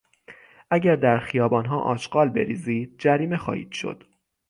اگر در خیابانها آشغال بریزید، جریمه خواهید شد.